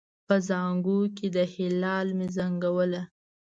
په زانګو کې د هلال مې زنګوله